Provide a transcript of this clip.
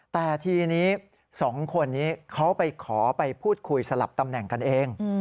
แต่ทีนี้๒คนนี้เขาไปขอไปพูดคุยสลับตำแหน่งกันเอง